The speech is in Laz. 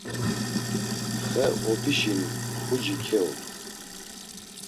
Xe Obişi mxuci keodu.